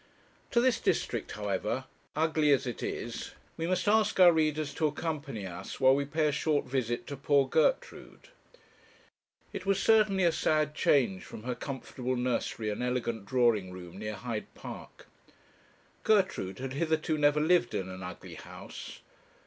To this district, however, ugly as it is, we must ask our readers to accompany us, while we pay a short visit to poor Gertrude. It was certainly a sad change from her comfortable nursery and elegant drawing room near Hyde Park. Gertrude had hitherto never lived in an ugly house.